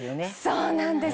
そうなんです。